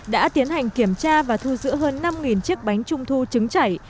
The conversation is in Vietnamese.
đã tiến hành kiểm tra và thu giữ hơn năm chiếc bánh trung thu trứng chảy